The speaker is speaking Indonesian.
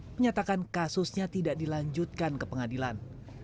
menyatakan kasusnya tidak dilanjutkan ke pengadilan